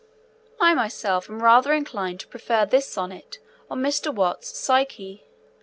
I myself am rather inclined to prefer this sonnet on Mr. Watts's Psyche.